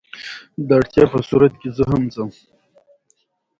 ازادي راډیو د د جګړې راپورونه په اړه د فیسبوک تبصرې راټولې کړي.